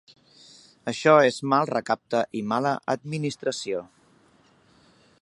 Això és mal recapte i mala administració.